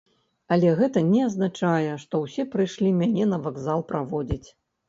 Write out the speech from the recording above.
Але гэта не азначае, што ўсе прыйшлі мяне на вакзал праводзіць.